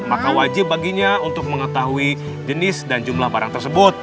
maka wajib baginya untuk mengetahui jenis dan jumlah barang tersebut